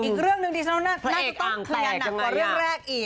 อีกเรื่องหนึ่งดิฉันว่าน่าจะต้องเคลียร์หนักกว่าเรื่องแรกอีก